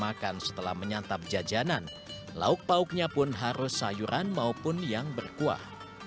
makan setelah menyantap jajanan lauk pauknya pun harus sayuran maupun yang berkuah